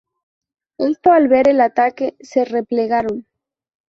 Estos al ver el ataque se replegaron.